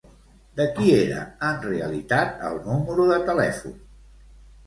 De qui era en realitat el número de telèfon?